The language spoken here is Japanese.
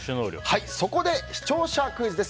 そこで、視聴者クイズです。